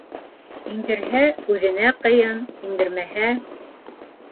Индерһә, үҙенә ҡыйын, индермәһә...